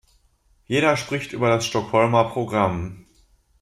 Jeder spricht über das Stockholmer Programm.